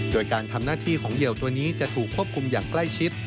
โดยการทำหน้าที่ของเหยื่อตัวนี้จะถูกควบคุมอย่างใกล้ชิด